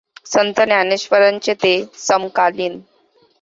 संत ज्ञानेश्वरांचे ते समकालीन.